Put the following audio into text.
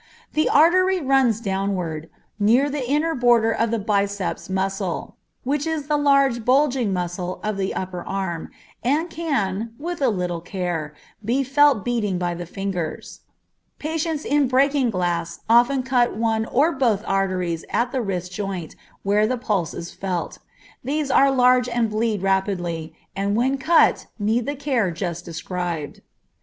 The artery runs downward, near the inner border of the biceps muscle, which is the large, bulging muscle of the upper arm, and can, with a little care, be felt beating by the fingers. Patients in breaking glass often cut one or both arteries at the wrist joint where the pulse is felt. These are large and bleed rapidly, and when cut need the care just described.